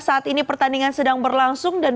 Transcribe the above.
saat ini pertandingan sedang berlangsung dan